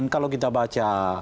kalau kita baca